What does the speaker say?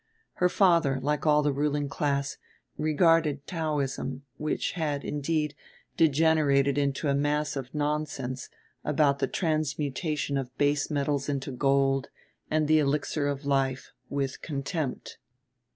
Her father, like all the ruling class, regarded Taoism which had, indeed, degenerated into a mass of nonsense about the transmutation of base metals into gold and the elixir of life with contempt.